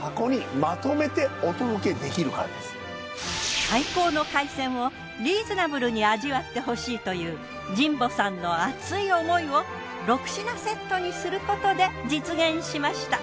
そして最高の海鮮をリーズナブルに味わってほしいという神保さんの熱い思いを６品セットにすることで実現しました。